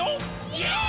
イエーイ！！